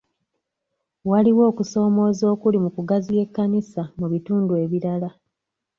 Waliwo okusoomooza okuli mu kugaziya ekkanisa mu bitundu ebirala.